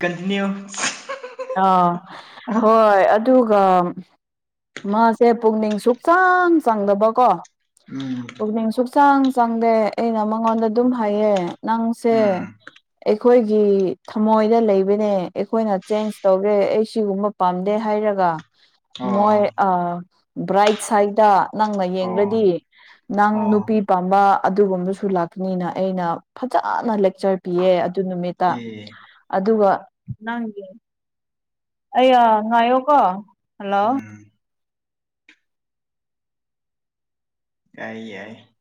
continue ꯑꯥ ꯍꯣꯏ ꯑ ꯑꯗꯨꯒ ꯃꯥꯁꯦ ꯄꯨꯛꯅꯤꯡ ꯁꯨꯛꯆꯥꯡ ꯆꯪꯗꯕꯀꯣ ꯄꯨꯛꯅꯤꯡ ꯁꯨꯛꯆꯥꯡ ꯆꯪꯗꯦ ꯑꯩꯅ ꯃꯉꯣꯟꯗ ꯑꯗꯨꯝ ꯍꯥꯏꯌꯦ ꯅꯪꯁꯦ ꯎꯝ ꯑꯩꯈꯣꯏꯒꯤ ꯊꯃꯣꯏꯗ ꯂꯩꯕꯅꯦ ꯑꯩꯈꯣꯏꯅ ꯆꯦꯟꯖ ꯇꯧꯔꯦ ꯑꯩ ꯁꯤꯒꯨꯝꯕ ꯄꯥꯝꯗꯦ ꯍꯥꯏꯔꯒ ꯃꯣꯏ ꯑꯣ ꯑ ꯕ꯭ꯔꯥꯏꯠ ꯁꯥꯏꯠꯇ ꯅꯪꯅ ꯌꯦꯡꯔꯗꯤ ꯑꯣ ꯅꯪ ꯑꯣ ꯅꯨꯄꯤ ꯄꯥꯝꯕ ꯑꯗꯨꯒꯨꯝꯕꯁꯨ ꯂꯥꯛꯀꯅꯤꯅ ꯑꯩꯅ ꯐꯖꯅ ꯂꯦꯛꯆꯔ ꯄꯤꯌꯦ ꯑꯗꯨ ꯅꯨꯃꯤꯠꯇ ꯑꯦ ꯑꯗꯨꯒ ꯅꯪꯒꯤ ꯑꯩꯌꯥ ꯉꯥꯏꯌꯣꯀꯣ ꯍꯜꯂꯣ ꯎꯝ ꯌꯥꯏ ꯌꯥꯏ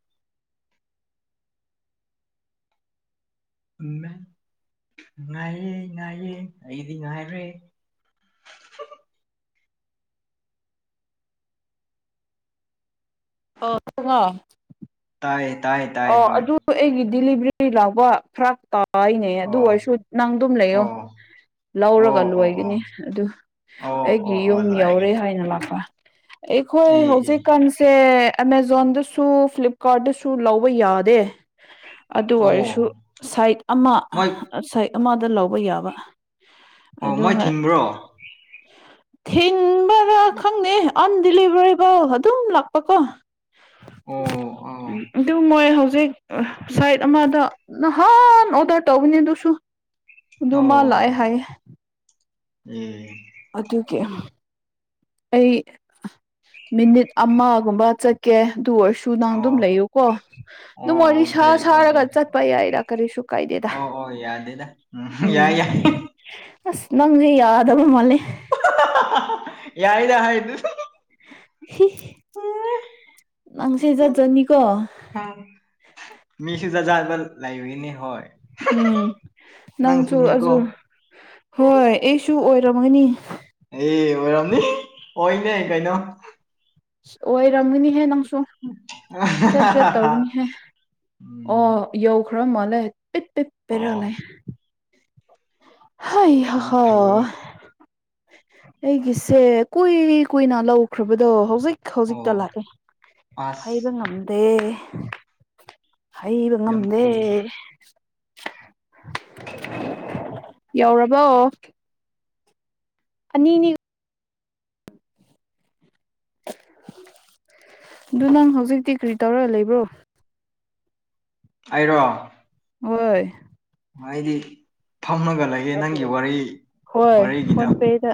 ꯎꯝꯃꯦ ꯉꯥꯏꯌꯦ ꯉꯥꯏꯌꯦ ꯑꯩꯗꯤ ꯉꯥꯏꯔꯦ ꯑꯣ ꯁꯨꯡꯉꯣ ꯇꯥꯏꯌꯦ ꯇꯥꯏ ꯇꯥꯏ ꯍꯣꯏ ꯑ ꯑꯩꯒꯤ ꯗꯤꯂꯤꯚꯔꯤ ꯂꯥꯛꯄ ꯐꯔꯥꯛ ꯇꯥꯏꯅꯦ ꯑꯣ ꯑꯗꯨ ꯑꯣꯏꯔꯁꯨ ꯅꯪ ꯑꯗꯨꯝ ꯑꯣ ꯂꯩꯌꯣ ꯂꯧꯔꯒ ꯑꯣ ꯑꯣ ꯑꯣ ꯂꯣꯏꯒꯅꯤ ꯑꯗꯨ ꯑꯣ ꯑꯩꯒꯤ ꯑꯣ ꯑꯣ ꯌꯨꯝ ꯂꯣꯏꯔꯒꯦ ꯌꯧꯔꯦ ꯍꯥꯏꯅ ꯂꯥꯛꯄ ꯑꯩꯈꯣꯏ ꯑꯦ ꯑꯦ ꯍꯧꯖꯤꯛꯀꯥꯟꯁꯦ ꯑꯃꯃꯥꯖꯣꯟꯗꯁꯨ ꯐ꯭ꯂꯤꯞꯀꯥꯔꯠꯇꯁꯨ ꯂꯧ ꯇꯧꯕ ꯌꯥꯗꯦ ꯑꯗꯨ ꯑꯣ ꯑꯣꯏꯔꯁꯨ ꯁꯥꯏꯠ ꯑꯃ ꯃꯣꯏ ꯁꯥꯏꯠ ꯑꯃꯗ ꯂꯧꯕ ꯌꯥꯕ ꯑꯣ ꯃꯣꯏ ꯑꯗꯨꯒ ꯊꯤꯡꯕ꯭ꯔꯣ ꯊꯤꯟꯕꯔꯥ ꯈꯪꯗꯦ ꯑꯝ ꯗꯤꯂꯤꯚꯔ ꯀꯣ ꯑꯗꯨꯝ ꯂꯥꯛꯄꯀꯣ ꯑꯣ ꯑꯥ ꯎꯝ ꯑꯗꯨ ꯃꯣꯏ ꯍꯧꯖꯤꯛ ꯁꯥꯏꯠ ꯑꯃꯗ ꯅꯍꯥꯟ ꯑꯣꯗꯔ ꯇꯧꯕꯅꯦ ꯑꯗꯨꯁꯨ ꯑꯗꯨ ꯃꯥ ꯂꯥꯛꯑꯑꯦ ꯍꯥꯏꯌꯦ ꯎꯝ ꯑꯗꯨꯒꯤ ꯑꯩ ꯃꯤꯅꯤꯠ ꯑꯃꯒꯨꯝꯕ ꯆꯠꯀꯦ ꯑꯗꯨꯑꯣꯏꯁꯨ ꯗꯨ ꯅꯪ ꯑꯣ ꯑꯗꯨꯝ ꯂꯩꯌꯨꯀꯣ ꯑꯗꯨꯝ ꯑꯣ ꯋꯥꯔꯤ ꯁꯥ ꯑꯣꯀꯦ ꯑꯣꯀꯦ ꯁꯥꯔꯒ ꯆꯠꯄ ꯌꯥꯏꯗ ꯀꯔꯤꯁꯨ ꯀꯥꯏꯗꯦꯗ ꯑꯣ ꯑꯣ ꯌꯥꯗꯦꯗ ꯎꯝ ꯌꯥꯏ ꯌꯥꯏ ꯑꯁ ꯅꯪꯁꯦ ꯌꯥꯗꯕ ꯃꯥꯜꯂꯦ ꯌꯥꯏꯗ ꯍꯥꯏ ꯅꯪꯁꯦ ꯆꯠꯖꯅꯤꯀꯣ ꯃꯤꯁꯨ ꯖꯥꯠ ꯖꯥꯠ ꯂꯩꯕꯒꯤꯅꯤ ꯍꯣꯏ ꯎꯝ ꯅꯪꯁꯨ ꯅꯪꯁꯨꯅꯤꯀꯣ ꯑꯗꯨꯖ ꯍꯣꯏ ꯑꯩꯁꯨ ꯑꯣꯏꯔꯝꯒꯅꯤ ꯑꯦ ꯑꯣꯏꯔꯝꯅꯤ ꯑꯣꯏꯅꯦ ꯀꯩꯅꯣ ꯑꯣꯏꯔꯝꯒꯅꯤꯍꯦ ꯅꯪꯁꯨ ꯆꯠ ꯆꯠ ꯇꯧꯕꯅꯤꯍꯦ ꯎꯝ ꯑꯣ ꯌꯧꯈ꯭ꯔ ꯃꯥꯂꯦ ꯄꯤꯠ ꯄꯦꯠ ꯄꯦꯔ ꯑꯣ ꯂꯩ ꯍꯩ ꯍ ꯐꯤ ꯍꯥ ꯐꯩꯌꯦ ꯑꯩꯒꯤꯁꯦ ꯀꯨꯏ ꯀꯨꯏꯅ ꯂꯧꯈ꯭ꯔꯕꯗꯣ ꯍꯧꯖꯤꯛ ꯍꯧꯖꯤꯛꯇ ꯑꯣ ꯂꯥꯛꯑꯦ ꯑꯁ ꯍꯥꯏꯕ ꯉꯝ ꯗꯦ ꯍꯩꯕ ꯌꯥꯝ ꯉꯝꯗꯦ ꯀꯨꯏ ꯌꯧꯔꯕꯣ ꯑꯅꯤꯅꯤ ꯑꯗꯨ ꯅꯪ ꯍꯧꯖꯤꯛꯇꯤ ꯀꯔꯤ ꯇꯧꯔ ꯂꯩꯕ꯭ꯔꯣ ꯑꯩꯔꯣ ꯍꯣꯏ ꯑꯩꯗꯤ ꯐꯝꯃꯒ ꯂꯩ ꯍꯣꯏ ꯐꯣꯟ ꯄꯦꯗ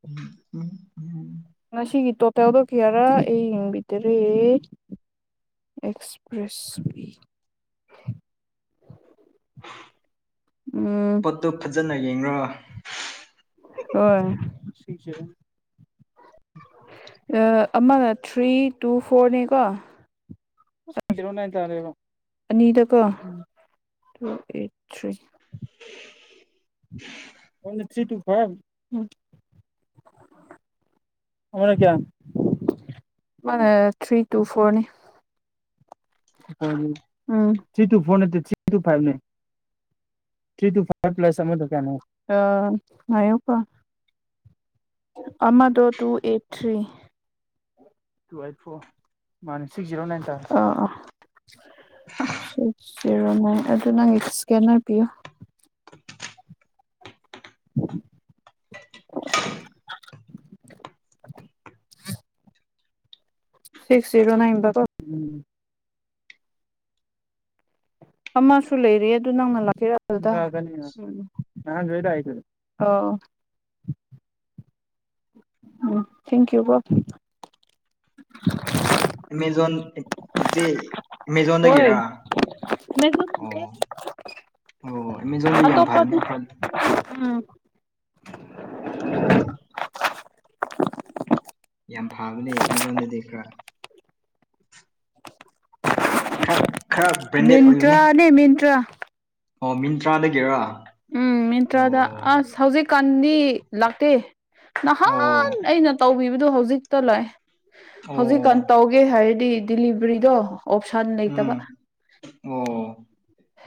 ꯎꯝ ꯉꯁꯤꯒꯤ ꯇꯣꯇꯦꯜꯗꯣ ꯀꯌꯥꯔꯥ ꯑꯩ ꯌꯦꯡꯕꯤꯗꯔꯦ ꯑꯦꯛꯁꯄ꯭ꯔꯦꯁꯋꯤ ꯎꯝ ꯑꯗꯨ ꯐꯖꯅ ꯌꯦꯡꯔꯣ ꯍꯣꯏ ꯑꯃꯒ ꯊ꯭ꯔꯤ ꯇꯨ ꯐꯣꯔꯅꯦꯀꯣ ꯕꯑꯅꯤꯗꯀꯣ two eight three one three two five ꯑꯃꯅ ꯊ꯭ꯔꯤ ꯇꯨ ꯐꯣꯔꯅꯦ ꯊ꯭ꯔꯤ ꯇꯨꯐꯣꯔ ꯅꯠꯇꯦ ꯊ꯭ꯔꯤ ꯇꯨ ꯐꯥꯢꯚꯅꯦ ꯊꯔꯤ ꯇꯨ ꯐꯥꯞ ꯄ꯭ꯂꯁ ꯑꯃ ꯑꯃꯗꯨ ꯀꯌꯥꯅꯣ ꯑꯩ ꯉꯥꯏꯌꯣ ꯑꯃꯗꯣ two eight three two eight four ꯃꯥꯅꯦ ꯁꯤꯛꯁ ꯖꯤꯔꯣ ꯅꯥꯏꯟ ꯇꯥꯔꯦ ꯁꯤꯛꯁ ꯖꯤꯔꯣ ꯅꯥꯏꯟ ꯑꯗꯨ ꯅꯪ ꯏꯁꯀꯦꯟꯅꯔ ꯄꯤꯌꯣ [inaudible] [inaudible] ꯁꯤꯛꯁ ꯖꯔꯣ ꯅꯅꯥꯟꯕꯥ ꯀꫭ ꯎꯝ ꯑꯃꯁꯨ ꯂꯩꯔꯤ ꯑꯗꯨ ꯅꯪꯅ ꯂꯥꯛꯀꯔꯥ ꯑꯗꯨꯗ ꯅꯍꯥꯟꯁꯨ ꯑꯩ ꯂꯥꯛꯏꯗꯨꯗꯤ ꯑꯣ ꯎꯝ ꯊꯦꯡ ꯀꯩꯌꯨ ꯀꯣ ꯑꯦꯃꯦꯖꯣꯟ ꯆꯤꯆꯦ ꯍꯣꯏ ꯑꯦꯃꯦꯖꯣꯟꯗꯒꯤꯔ ꯑꯣ ꯑꯣ ꯑꯦꯃꯦꯖꫭꯟꯗꯤ ꯌꯥꯝ ꯐꯕꯅꯦ ꯑꯇꯣꯞꯄꯗꯤ ꯐꯔꯥꯟ ꯎꯝ ꯌꯥꯝ ꯐꯕꯅꯦ ꯑꯦꯃꯦꯖꯣꯟꯗꯗꯤ ꯈꯔ ꯈꯔ ꯈꯔ ꯕ꯭ꯔꯦꯟꯗꯦꯠ ꯑꯣꯏꯕꯅꯦ [unintelligible] ꯃꯤꯟꯇ꯭ꯔ ꯑꯣ ꯃꯤꯟꯇ꯭ꯔꯗꯒꯤꯔꯥ ꯎꯝ ꯃꯤꯟꯇ꯭ꯔꯗ ꯑꯁ ꯍꯧꯖꯤꯛꯀꯥꯟꯗꯤ ꯂꯥꯛꯇꯦ ꯑꯣ ꯅꯍꯥꯟ ꯑꯩꯅ ꯇꯧꯕꯤꯕꯗꯨ ꯍꯧꯖꯤꯛꯇ ꯂꯥꯛꯑꯦ ꯍꯧꯖꯤꯛꯀꯥꯟ ꯑꯣ ꯇꯧꯒꯦ ꯍꯥꯏꯔꯗꯤ ꯗꯤꯂꯤꯚꯔꯤꯗꯣ ꯑꯣꯞꯁꯟ ꯂꯩꯇꯕ ꯎꯝ ꯑꯣ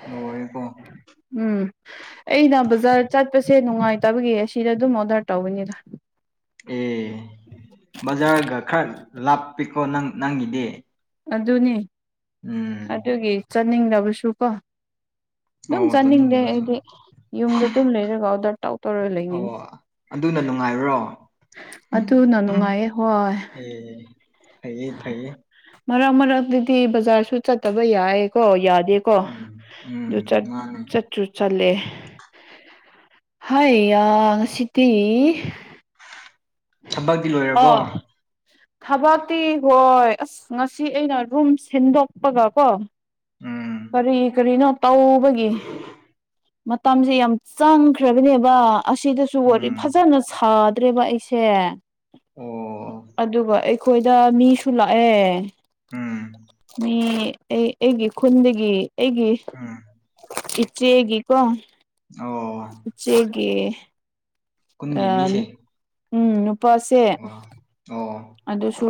ꯂꯣꯏꯔꯦꯀꯣ ꯎꯝ ꯑꯩꯅ ꯕꯖꯥꯔ ꯆꯠꯄꯁꯦ ꯅꯨꯡꯉꯥꯏꯇꯕꯒꯤ ꯑꯁꯤꯗ ꯑꯗꯨꯝ ꯑꯣꯔꯗꯔ ꯇꯧꯕꯅꯤꯗ ꯑꯦ ꯕꯖꯥꯔꯒ ꯈꯔ ꯂꯥꯞꯄꯤꯀꯣ ꯅꯪ ꯅꯪꯒꯤꯗꯤ ꯑꯗꯨꯅꯤ ꯎꯝ ꯑꯗꯨꯒꯤ ꯆꯠꯅꯤꯡꯗꯕꯁꯨ ꯀꯣ ꯑꯗꯨꯝ ꯑꯣ ꯆꯥꯅꯤꯡꯗꯦ ꯆꯠꯅꯤꯡꯗꯕꯁꯨ ꯑꯩꯗꯤ ꯌꯨꯝꯗ ꯑꯗꯨꯝ ꯂꯩꯔꯒ ꯑꯣꯗꯔ ꯇꯧ ꯇꯧꯔꯒ ꯑꯣ ꯂꯩꯅꯤꯡꯉꯤ ꯑꯗꯨꯅ ꯅꯨꯡꯉꯥꯏꯕ꯭ꯔꯣ ꯑꯗꯨꯅ ꯎꯝ ꯅꯨꯡꯉꯥꯏꯌꯦ ꯍꯣꯏ ꯑꯦ ꯐꯩꯌꯦ ꯐꯩꯌꯦ ꯃꯔꯛ ꯃꯔꯛꯇꯗꯤ ꯕꯖꯥꯔꯁꯨ ꯆꯠꯇꯕ ꯌꯥꯏꯀꯣ ꯌꯥꯗꯦ ꯎꯝ ꯎꯝ ꯃꯥꯅꯦ ꯆꯨ ꯆꯠꯂꯦ ꯍꯥꯏ ꯌꯥ ꯉꯁꯤꯗꯤ ꯊꯕꯛꯇꯤ ꯂꯣꯏꯔꯕꯣ ꯑꯣ ꯊꯕꯛꯇꯤ ꯍꯣꯏ ꯑꯁ ꯉꯁꯤ ꯑꯩꯅ ꯔꯨꯝ ꯁꯤꯟꯗꯣꯛꯄꯒ ꯀꯣ ꯎꯝ ꯀꯔꯤ ꯀꯔꯤꯅꯣ ꯇꯧꯕꯒꯤ ꯃꯇꯝꯁꯦ ꯌꯥꯝ ꯆꯪꯈ꯭ꯔꯕꯅꯦꯕ ꯑꯁꯤꯗꯁꯨ ꯋꯥꯔꯤ ꯎꯝ ꯐꯖꯅ ꯁꯥꯗ꯭ꯔꯦꯕ ꯑꯩꯁꯦ ꯁꯦ ꯑꯣ ꯑꯗꯨꯒ ꯑꯩꯈꯣꯏꯗ ꯃꯤꯁꯨ ꯂꯥꯛꯑꯦ ꯎꯝ ꯑꯩ ꯑꯩ ꯑꯩꯒꯤ ꯈꯨꯟꯗꯒꯤ ꯑꯩꯒꯤ ꯎꯝ ꯏꯆꯦꯒꯤ ꯀꯣ ꯑꯣ ꯎꯆꯨꯒꯤ ꯀꯨꯟꯒꯤ ꯑꯥ ꯃꯤꯁꯤꯡ ꯎꯝ ꯅꯨꯄꯥꯁꯦ ꯑꯣ ꯑꯣ ꯑꯗꯨꯁꯨ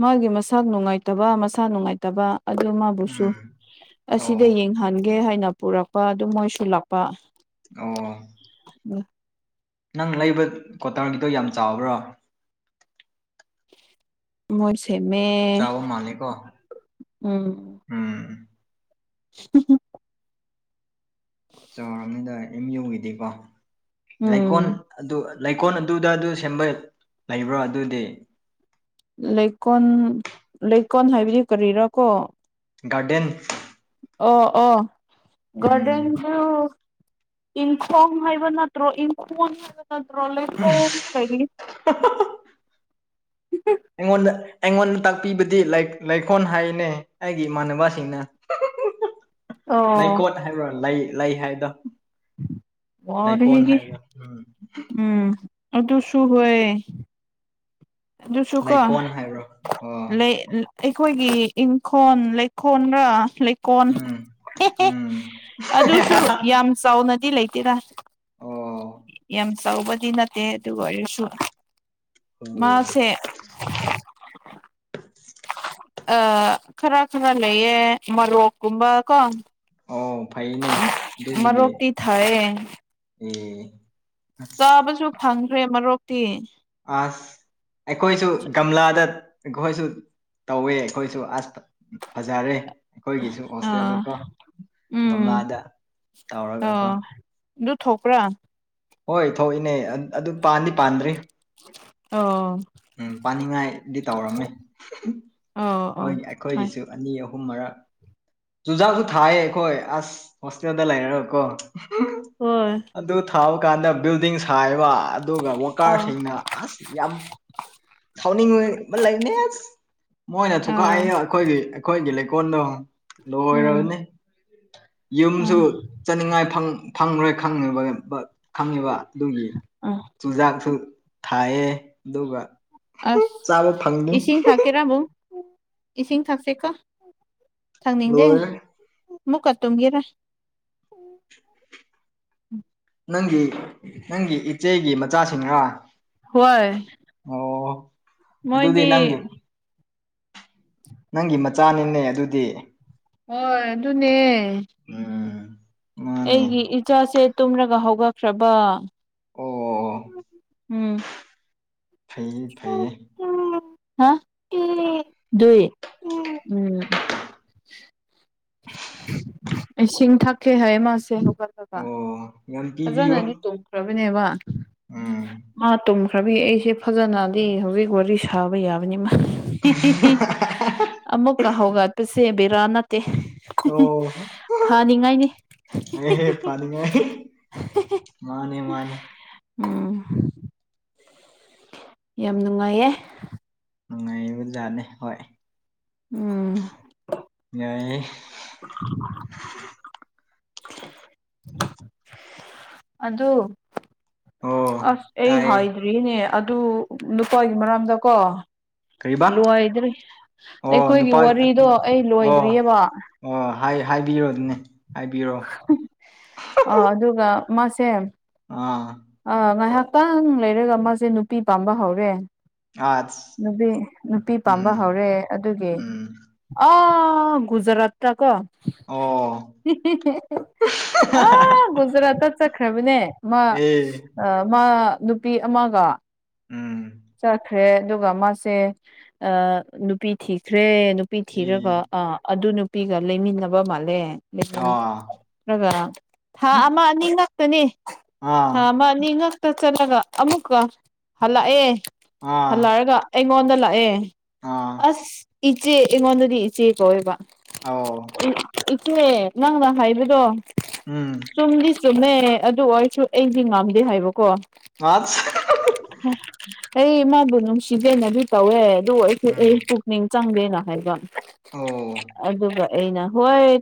ꯃꯥꯒꯤ ꯃꯁꯥ ꯅꯨꯡꯉꯥꯏꯇꯕ ꯃꯁꯥ ꯅꯨꯡꯉꯥꯏꯇꯕ ꯑꯗꯨ ꯕꯨꯁꯨ ꯎꯝ ꯑꯣ ꯑꯁꯤꯗ ꯌꯦꯡꯍꯟꯒꯦ ꯍꯥꯏꯅ ꯄꯨꯔꯛꯄ ꯑꯗꯨ ꯃꯣꯏꯁꯨꯜꯂꯛꯄ ꯑꯣ ꯎꯝ ꯅꯪ ꯂꯩꯕ ꯀ꯭ꯋꯥꯇꯔꯒꯤꯗꯣ ꯌꯥꯝ ꯆꯥꯎꯕ꯭ꯔꯣ ꯃꯣꯏꯁꯦꯃꯦ ꯆꯥꯎꯕ ꯃꯥꯜꯂꯦꯀꯣ ꯎꯝ ꯎꯝ [unintelligible] ꯆꯥꯎꯔꯕꯅꯤꯗ ꯑꯦꯝ ꯌꯧꯈꯤꯗꯦꯀꯣ ꯎꯝ ꯂꯩꯀꯣꯜ ꯑꯗꯨ ꯂꯩꯀꯣꯜ ꯑꯗꯨꯗ ꯑꯗꯨ ꯁꯦꯝꯕ ꯂꯩꯕ꯭ꯔꯣ ꯑꯗꯨꯗꯤ ꯂꯩꯀꯣꯜ ꯂꯩꯀꯣꯜ ꯍꯥꯏꯕꯗꯤ ꯀꯔꯤꯔꯥꯀꯣ ꯒꯥꯔꯗꯦꯟ ꯑꯣ ꯑꯣ ꯎꯝ ꯒꯣꯜꯗꯟꯁꯨ ꯏꯟꯐꯣꯝ ꯍꯥꯏꯕ ꯅꯠꯇ꯭ꯔꯣ ꯏꯝꯐꯣꯟ ꯍꯥꯏꯕ ꯅꯠꯇ꯭ꯔꯣ ꯂꯩꯐꯣꯝ [unintelligible] ꯑꯩꯉꯣꯟꯗ ꯑꯩꯉꯣꯟꯗ ꯇꯥꯛꯄꯤꯕꯗꯤ ꯂꯩꯈꯣꯜ ꯍꯥꯏꯅꯦ ꯑꯩꯒꯤ ꯏꯃꯥꯟꯅꯕꯁꯤꯡꯅ [unintelligible] ꯑꯣ ꯂꯩꯀꯣꯠ ꯍꯥꯏꯕ꯭ꯔꯥ ꯂꯩ ꯂꯩ ꯍꯥꯏꯕꯗꯣ ꯂꯩꯀꯣꯜ ꯋꯥꯔꯦꯍꯦ ꯍꯥꯏꯕꯗꯣ ꯎꯝ ꯎꯝ ꯑꯗꯨꯁꯨꯨ ꯍꯌꯦ ꯑꯗꯨꯁꯨ ꯀꯣ ꯂꯩꯀꯣꯜ ꯍꯥꯏꯕ꯭ꯔꯣ ꯑꯣ ꯂꯩ ꯑꯩꯈꯣꯏꯒꯤ ꯏꯪꯈꯣꯜ ꯂꯩꯈꯣꯜꯒ ꯀꯣꯟ ꯎꯝ ꯎꯝ ꯑꯗꯨꯁꯨ ꯌꯥꯝ ꯆꯥꯎꯅꯗꯤ ꯂꯩꯇꯦꯔꯥ ꯑꯣ ꯑꯆꯧꯕꯗꯤ ꯅꯠꯇꯦ ꯑꯗꯨ ꯑꯣꯏꯔꯁꯨ ꯑꯣ ꯃꯥꯁꯦ [inaudible] [inaudible] ꯑ ꯈꯔ ꯈꯔ ꯂꯩꯌꯦ ꯃꯔꯣꯔꯣꯛꯀꯨꯝꯕ ꯀꯣ ꯑꯣ ꯐꯩꯅꯦ ꯃꯔꯣꯄꯤ ꯊꯥꯏꯌꯦ ꯎꯝ ꯆꯥꯕꯁꯨ ꯐꯪꯈ꯭ꯔꯦ ꯃꯔꯣꯛꯇꯤ ꯑꯁ ꯑꯩꯈꯣꯏꯁꯨ ꯒꯝꯂꯥꯗ ꯑꯩꯈꯣꯏꯁꯨ ꯇꯧꯋꯦ ꯑꯩꯈꯣꯏꯁꯨ ꯑꯁ ꯐꯖꯔꯦ ꯑꯩꯈꯣꯏꯒꯤꯁꯨ ꯑꯥ ꯍꯣꯁꯇꯦꯜꯗꯀꯣ ꯎꯝ ꯒꯝꯂꯥꯗ ꯇꯧꯔꯒ ꯑꯣ ꯀꯣ ꯑꯗꯨ ꯊꯣꯛꯄ꯭ꯔ ꯍꯣꯏ ꯊꯣꯛꯏꯅꯦ ꯑꯗꯨ ꯄꯥꯟꯗꯤ ꯄꯥꯟꯗ꯭ꯔꯤ ꯑꯣ ꯎꯝ ꯄꯥꯅꯤꯡꯉꯥꯏꯗꯤ ꯇꯧꯔꯝꯃꯦ ꯑꯣ ꯑꯣ ꯈꯣꯏ ꯍꯣꯏ ꯑꯩꯈꯣꯏꯒꯤꯁꯨ ꯑꯅꯤ ꯑꯍꯨꯝ ꯃꯔꯛ ꯆꯨꯖꯥꯛꯁꯨ ꯊꯥꯏꯌꯦ ꯑꯩꯈꯣꯏ ꯑꯁ ꯍꯣꯁꯇꯦꯜꯗ ꯂꯩꯔ ꯀꯣ ꯍꯣꯏ ꯑꯗꯨ ꯊꯥꯕ ꯀꯥꯟꯗ ꯕꯤꯜꯗꯤꯡ ꯁꯥꯏꯕ ꯑꯗꯨꯒ ꯑꯣ ꯋꯥꯀꯥꯔꯁꯤꯡꯅ ꯑꯁ ꯌꯥꯝ [unintelligible] ꯁꯥꯎꯅꯤꯡꯕ ꯂꯩꯅꯦꯁ ꯃꯣꯏꯅ ꯊꯨꯀꯥꯏ ꯑꯥ ꯑꯩꯈꯣꯏꯒꯤ ꯑꯩꯈꯣꯏꯒꯤ ꯂꯩꯀꯣꯜꯗꯣ ꯂꯣ ꯎꯝ ꯑꯣꯏꯔꯅꯤ ꯑ ꯌꯨꯝꯁꯨ ꯆꯠꯅꯤꯡꯉꯥꯏ ꯐꯪꯈ꯭ꯔꯣꯏ ꯈꯪꯉꯤꯕ ꯈꯪꯉꯤꯕ ꯑꯗꯨꯒꯤ ꯑ ꯆꯨꯖꯥꯛꯇꯨ ꯊꯥꯏꯌꯦ ꯑꯗꯨꯒ ꯑ ꯆꯥꯕ ꯐꯪꯅꯤ ꯏꯁꯤꯡ ꯊ ꯀꯦꯔꯥꯕꯨꯡ ꯏꯁꯤꯡ ꯊꯥꯛꯁꯦꯀꯣ ꯊꯪꯅꯤꯡꯗꯦ ꯂꯣꯏꯔꯦ ꯃꯨꯛꯀꯥ ꯇꯨꯝꯒꯦꯔꯥ ꯅꯪꯒꯤ ꯅꯪꯒꯤ ꯏꯆꯦꯒꯤ ꯃꯆꯥꯁꯤꯡꯅ ꯍꯣꯏ ꯑꯣ ꯑꯗꯨꯗꯤ ꯃꯣꯏꯗꯤ ꯅꯪꯒꯤ [unintelligible] ꯅꯪꯒꯤ ꯃꯆꯥꯅꯤꯅꯦ ꯑꯗꯨꯗꯤ ꯍꯣꯏ ꯑꯗꯨꯅꯦ ꯎꯝ ꯃꯥꯅꯦ ꯑꯩꯒꯤ ꯏꯆꯥꯁꯦ ꯇꯨꯝꯔꯒ ꯍꯧꯒꯠꯈ꯭ꯔꯕ ꯑꯣ ꯑꯣ ꯑꯣ ꯎꯝ ꯐꯩ ꯐꯩꯌꯦ ꯍꯥ ꯏ ꯎꯝ ꯏꯁꯤꯡ ꯊꯥꯛꯀꯦ ꯍꯥꯏꯌꯦ ꯃꯥꯥꯁꯦ ꯍꯧꯒꯠꯔꯒ ꯑꯣ ꯌꯥꯝ ꯄꯤꯕꯤꯌꯨ ꯐꯖꯅꯗꯤ ꯇꯨꯝꯈ꯭ꯔꯕꯅꯦꯕ ꯎꯝ ꯃꯥ ꯈ꯭ꯔꯕꯤ ꯑꯩꯁꯦ ꯐꯖꯅꯗꯤ ꯍꯧꯖꯤꯛ ꯋꯥꯔꯤ ꯁꯥꯕ ꯌꯥꯕꯅꯤ ꯃꯥ ꯑꯃꯨꯛꯀ ꯍꯧꯒꯠꯄꯁꯦ ꯕꯤꯔꯥ ꯅꯠꯇꯦ ꯑꯣ ꯐꯅꯤꯡꯉꯥꯏꯅꯤ ꯑꯦ ꯄꯅꯤꯡꯉꯥꯏ ꯃꯥꯅꯦ ꯃꯥꯅꯦ ꯎꯝ ꯌꯥꯝ ꯅꯨꯡꯉꯥꯏꯌꯦ ꯅꯨꯡꯉꯥꯏꯔꯤꯕꯖꯥꯠꯅꯦ ꯍꯣꯏ ꯎꯝ ꯌꯥꯏꯌꯦ [inaudible] ꯑꯗꯨ ꯑꯣ ꯑꯁ ꯑꯩ ꯇꯥꯏꯌꯦ ꯍꯥꯏꯗ꯭ꯔꯤꯅꯦ ꯑꯗꯨ ꯅꯨꯄꯥꯒꯤ ꯃꯔꯥꯝꯗꯀꯣ ꯀꯔꯤꯕꯥ ꯂꯣꯏꯗ꯭ꯔꯤ ꯑꯣ ꯑꯩꯈꯣꯏꯒꯤ ꯅꯨꯄꯥ ꯋꯥꯔꯤꯗꯣ ꯑꯩ ꯑꯣ ꯂꯣꯏꯗ꯭ꯔꯤꯑꯕ ꯑꯣ ꯍꯥꯢ ꯍꯥꯏꯕꯤꯌꯣ ꯗꯅ ꯍꯥꯏꯕꯤꯌꯣ ꯑ ꯑꯗꯨꯒ ꯃꯥꯁꯦ ꯑꯥ ꯑ ꯉꯥꯏꯍꯥꯛꯇꯪ ꯂꯩꯔꯒ ꯃꯥꯁꯦ ꯅꯨꯄꯤ ꯄꯥꯝꯕ ꯍꯧꯔꯦ ꯑꯁ ꯅꯨꯄꯤ ꯅꯨꯄꯤ ꯄꯥꯝꯕ ꯎꯝ ꯍꯧꯔꯦ ꯑꯗꯨꯒꯤ ꯎꯝ ꯑ ꯒꯨꯖꯔꯥꯠ ꯇ ꯀꯣ ꯑꯣ ꯑ ꯒꯨꯖꯔꯥꯠ ꯆꯠꯈ꯭ꯔꯕꯅꯦ ꯃꯥ ꯑꯦ ꯑ ꯃꯥ ꯅꯨꯄꯤ ꯑꯃꯒ ꯎꯝ ꯆꯠ ꯈ꯭ꯔꯦ ꯑꯗꯨꯒ ꯃꯥꯁꯦ ꯑ ꯅꯨꯄꯤ ꯊꯤꯈ꯭ꯔꯦ ꯅꯨꯄꯤ ꯊꯤꯔꯒ ꯑꯦ ꯑ ꯑꯗꯨ ꯅꯨꯄꯤꯒ ꯂꯩꯃꯤꯟꯅꯕ ꯃꯥꯜꯂꯦ ꯑꯥ ꯅꯠꯇ꯭ꯔꯒ ꯊꯥ ꯑꯃ ꯑꯅꯤ ꯉꯥꯛꯇꯅꯦ ꯑꯥ ꯊꯥ ꯑꯃ ꯑꯅꯤ ꯉꯛꯇ ꯆꯠꯂꯒ ꯑꯃꯨꯛꯀ ꯍꯜꯂꯛꯑꯦ ꯍꯜꯂꯛꯔꯒ ꯑꯩꯉꯣꯟꯗ ꯂꯥꯛꯑꯦ ꯑ ꯑꯁ ꯏꯆꯦ ꯑꯩꯉꯣꯟꯗꯗꯤ ꯏꯆꯦ ꯀꯧꯋꯦꯕ ꯑꯥꯎ ꯏꯆꯦ ꯅꯪꯅ ꯍꯥꯏꯕꯗꯣ ꯎꯝ ꯆꯨꯝꯗꯤ ꯆꯨꯝꯃꯦ ꯑꯗꯨ ꯑꯣꯏꯔꯁꯨ ꯑꯩꯗꯤ ꯉꯝꯗꯦ ꯍꯥꯏꯕꯀꯣ ꯑꯁ ꯑꯩꯃꯥꯕꯨ ꯅꯨꯡꯁꯤꯗꯅꯗꯤ ꯇꯧꯋꯦ ꯑꯗꯨ ꯑꯩꯁꯨ ꯎꯝ ꯑꯩ ꯃꯤꯡ ꯆꯪꯒꯦꯅ ꯍꯥꯏꯕ ꯑꯣ ꯑꯗꯨꯒ ꯑꯩꯅ ꯍꯣꯏ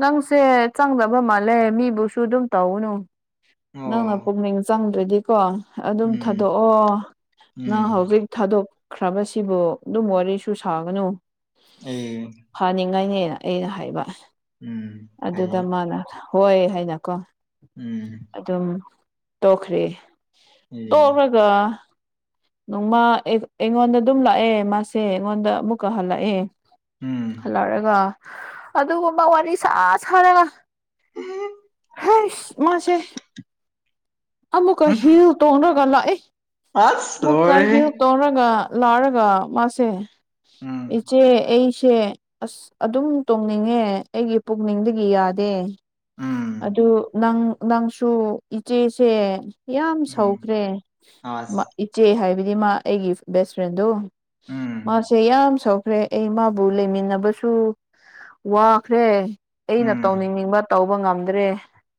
ꯅꯪꯁꯦ ꯆꯪꯗꯕ ꯃꯥꯜꯂꯦ ꯃꯤꯕꯨꯁꯨ ꯑꯗꯨꯝ ꯇꯧꯅꯨ ꯅꯪꯅ ꯑꯣ ꯄꯨꯛꯅꯤꯡ ꯆꯪꯗ꯭ꯔꯗꯤ ꯀꯣ ꯑꯗꯨꯝ ꯎꯝ ꯊꯥꯗꯣꯛꯑꯣ ꯅꯪ ꯎꯝ ꯍꯧꯖꯤꯛ ꯊꯥꯗꯣꯛꯈ꯭ꯔꯕꯁꯤꯕꯨ ꯑꯗꯨꯝ ꯋꯥꯔꯤꯁꯨ ꯁꯥꯒꯅꯨ ꯑꯦ ꯐꯅꯤꯡꯉꯥꯏꯅꯦꯅ ꯑꯩꯅ ꯍꯥꯏꯕ ꯎꯝ ꯑꯗꯨꯗ ꯐꯩꯌꯦ ꯃꯥꯅ ꯍꯣꯏ ꯍꯥꯏꯅꯀꯣ ꯎꯝ ꯑꯗꯨꯝ ꯇꯣꯛꯈ꯭ꯔꯦ ꯑꯦ ꯇꯣꯛꯔꯒ ꯉꯧ ꯃꯥ ꯑꯩꯒ ꯑꯩꯉꯣꯟꯗ ꯑꯗꯨꯝ ꯂꯥꯛꯑꯦ ꯃꯥꯁꯦ ꯑꯩꯉꯣꯟꯗ ꯑꯃꯨꯛꯀ ꯍꯜꯂꯛꯑꯦ ꯎꯝ ꯍꯜꯂꯛꯔꯒ ꯑꯗꯨꯒꯨꯝꯕ ꯋꯥꯔꯤ ꯁꯥ ꯁꯥꯔꯒ ꯍꯩꯁ ꯃꯥꯁꯦ ꯑꯃꯨꯛꯀ ꯍꯤꯜ ꯇꯣꯡꯔꯒ ꯂꯥꯛꯑꯦ ꯑꯁ ꯑꯃꯨꯛꯀ ꯍꯤꯜ ꯂꯣꯏꯔꯦꯍꯦ ꯇꯣꯡꯔꯒ ꯂꯥꯎꯔꯒ ꯃꯥꯁꯦ ꯎꯝ ꯏꯆꯦ ꯑꯩꯁꯦ ꯑꯁ ꯑꯗꯨꯝ ꯇꯣꯡꯅꯤꯡꯉꯦ ꯑꯩꯒꯤ ꯄꯨꯛꯅꯤꯡꯗꯒꯤ ꯌꯥꯗꯦ ꯎꯝ ꯑꯗꯨ ꯅꯪ ꯅꯪꯁꯨ ꯏꯆꯦꯁꯦ ꯌꯥꯝ ꯎꯝ ꯁꯧꯈ꯭ꯔꯦ ꯃꯥ ꯑꯁ ꯏꯆꯦ ꯍꯥꯏꯕꯗꯤ ꯃꯥ ꯑꯩꯒꯤ ꯕꯦꯁ ꯐ꯭ꯔꯦꯟꯗꯣ ꯎꯝ ꯃꯥꯁꯦ ꯌꯥꯝ ꯁꯥꯎ ꯈ꯭ꯔꯦ ꯑꯩ ꯃꯥꯕꯨ ꯂꯩꯃꯤꯟꯅꯕꯁꯨ ꯋꯥꯈ꯭ꯔꯦ ꯑꯩꯅ ꯎꯝ ꯇꯧꯅꯤꯡꯅꯤꯡꯕ ꯇꯧꯕ ꯉꯝꯗ꯭ꯔꯦ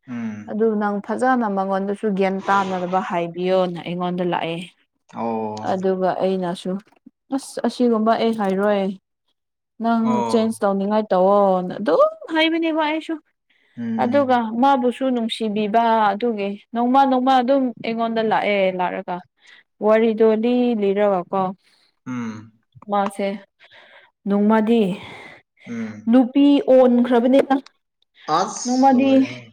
ꯎꯝ ꯑꯗꯨ ꯅꯪ ꯐꯖꯅ ꯃꯉꯣꯟꯗ ꯁꯨ ꯒ꯭ꯌꯥꯟ ꯇꯥꯅꯅꯕ ꯍꯥꯏꯕꯤꯌꯣꯅ ꯑꯩꯉꯣꯟꯗ ꯂꯥꯛꯑꯦ ꯑꯣ ꯑꯗꯨꯒ ꯑꯩꯅꯁꯨ ꯑꯁ ꯑꯁꯤꯒꯨꯝꯕ ꯑꯩ ꯍꯥꯏꯔꯣꯏ ꯅꯪ ꯆꯦꯟꯖ ꯑꯣ ꯇꯧꯅꯤꯡꯉꯥꯏ ꯇꯧꯋꯣꯅ ꯑꯗꯨꯝ ꯍꯥꯏꯕꯅꯦꯕ ꯑꯩꯁꯨ ꯎꯝ ꯑꯗꯨꯒ ꯃꯥꯕꯨꯁꯨ ꯅꯨꯡꯁꯤꯕꯤꯕ ꯑꯗꯨꯒꯤ ꯅꯣꯡꯃ ꯅꯣꯡꯃ ꯑꯗꯨꯝ ꯑꯩꯉꯣꯟꯗ ꯂꯥꯛꯑꯦ ꯂꯥꯛꯔꯒ ꯋꯥꯔꯤꯗꯣ ꯂꯤ ꯂꯤꯔꯒꯀꯣ ꯎꯝ ꯃꯥꯁꯦ ꯅꯣꯡꯃꯗꯤ ꯎꯝ ꯅꯨꯞ ꯄꯤ ꯑꯣꯟꯈ꯭ꯔꯕꯅꯦꯗ ꯑꯁ ꯂꯣꯏꯔꯦꯍꯦ